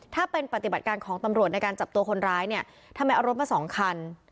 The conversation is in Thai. ถ้าเป็นปฏิบัติการของตำรวจในการจับตัวคนร้ายเนี่ยทำไมเอารถมาสองคัน